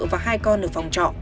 và hai con ở phòng trọ